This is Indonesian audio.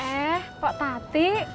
eh kok tadi